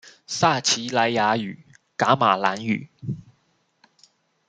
撒奇萊雅語、噶瑪蘭語